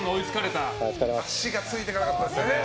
足がついていかなかったですね。